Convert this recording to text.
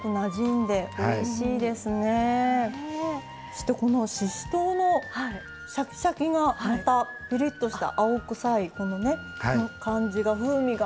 そしてこのししとうのシャキシャキがまたピリッとした青臭いこのねこの感じが風味があっていいですね。